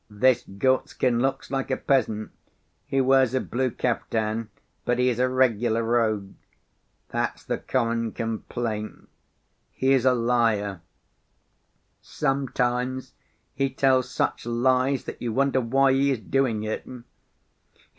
This Gorstkin looks like a peasant, he wears a blue kaftan, but he is a regular rogue. That's the common complaint. He is a liar. Sometimes he tells such lies that you wonder why he is doing it.